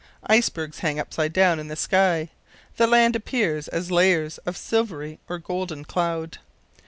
Icebergs hang upside down in the sky; the land appears as layers of silvery or golden cloud.